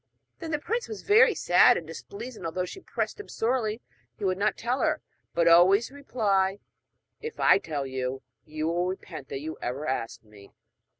Then the prince was very sad and displeased, and although she pressed him sorely he would not tell her, but always reply: 'If I tell you, you will repent that ever you asked me.'